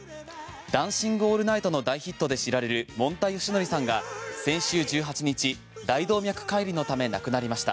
「ダンシング・オールナイト」の大ヒットで知られるもんたよしのりさんが先週１８日大動脈解離のため亡くなりました。